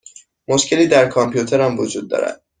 مشکلی در کامپیوترم وجود دارد.